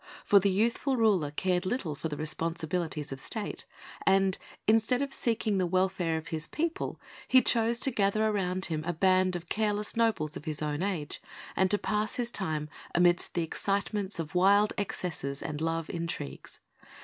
For the youthful ruler cared little for the responsibilities of State, and instead of seeking the welfare of his people, he chose to gather around him a band of careless nobles of his own age, and to pass his time amidst the excitements of wild excesses and love intrigues.